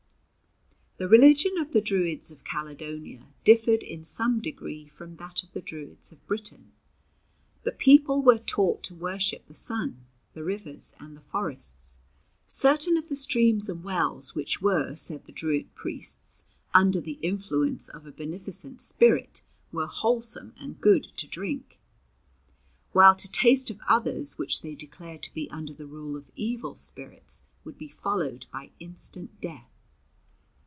The religion of the Druids of Caledonia differed in some degree from that of the Druids of Britain. The people were taught to worship the sun, the rivers and the forests. Certain of the streams and wells which were, said the Druid priests, under the influence of a beneficent spirit, were wholesome and good to drink, while to taste of others which they declared to be under the rule of evil spirits, would be followed by instant death.